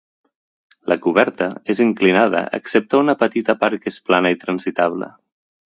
La coberta és inclinada excepte una petita part que és plana i transitable.